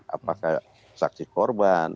apakah saksi korban